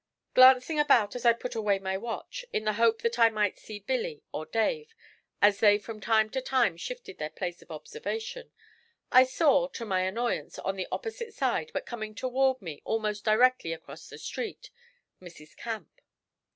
Glancing about as I put away my watch, in the hope that I might see Billy or Dave, as they from time to time shifted their place of observation, I saw, to my annoyance, on the opposite side, but coming toward me almost directly across the street, Mrs. Camp.